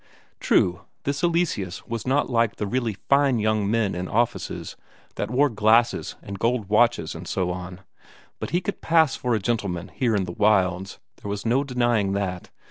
True, this Eleseus was not like the really fine young men in offices, that wore glasses and gold watches and so on, but he could pass for a gentleman here in the wilds, there was no denying that.